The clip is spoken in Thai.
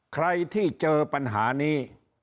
ใครที่เจอปัญหานี้